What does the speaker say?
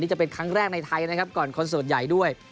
จะเป็นครั้งแรกในไทยนะครับก่อนคอนเสิร์ตใหญ่ด้วย